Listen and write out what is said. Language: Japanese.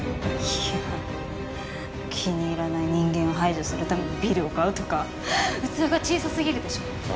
いや気に入らない人間を排除するためにビルを買うとか器が小さすぎるでしょ。